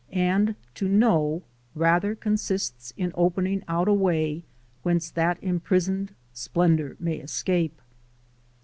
... and to Know Rather consists in opening out a way Whence that imprisoned splendor may escape."